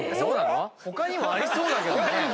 ⁉他にもありそうだけどね。